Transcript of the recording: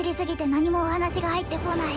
何もお話が入ってこない